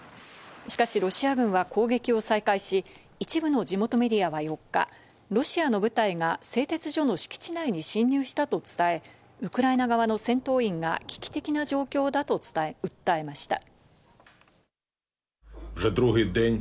しかしロシア軍は攻撃を再開し、一部の地元メディアは４日、ロシアの部隊が製鉄所の敷地内に侵入したと伝え、ウクライナ側の戦闘員が危機的な状況だと訴えました。